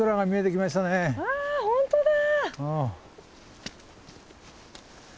あ本当だ！